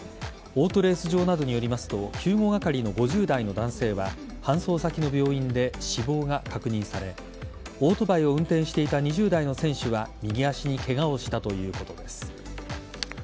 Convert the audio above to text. オートレース場などによりますと救護係の５０代の男性は搬送先の病院で死亡が確認されオートバイを運転していた２０代の選手は右足にケガをしたということです。